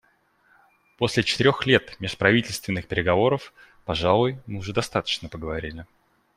После четырех лет межправительственных переговоров, пожалуй, мы уже достаточно поговорили.